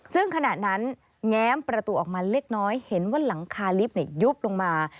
ซึ่งขณะนั้นแง้มประตูออกมาเล็กน้อยเห็นว่าหลังคาลิฟต์ยุบลงมา